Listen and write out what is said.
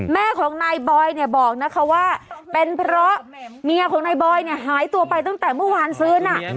แม่ของนายบอยเนี่ยบอกนะคะว่าเป็นเพราะเมียของนายบอยเนี่ยหายตัวไปตั้งแต่เมื่อวานซื้อน่ะ